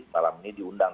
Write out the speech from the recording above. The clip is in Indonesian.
malam ini diundang